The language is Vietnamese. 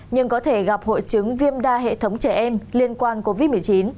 nhưng có thể gặp hội chứng viêm đa hệ thống trẻ em liên quan covid một mươi chín